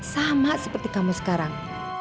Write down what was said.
sama seperti kamu sekarang